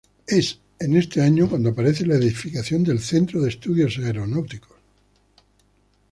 Es en este año cuando aparece la edificación del Centro de Estudios Aeronáuticos.